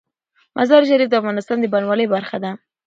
مزارشریف د افغانستان د بڼوالۍ برخه ده.